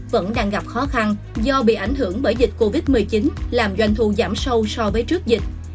vẫn đang gặp khó khăn do bị ảnh hưởng bởi dịch covid một mươi chín làm doanh thu giảm sâu so với trước dịch